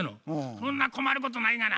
そんな困ることないがな。